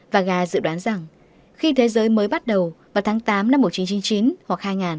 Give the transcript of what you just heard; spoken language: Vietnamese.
và gà dự đoán rằng khi thế giới mới bắt đầu vào tháng tám năm một nghìn chín trăm chín mươi chín hoặc hai nghìn hai mươi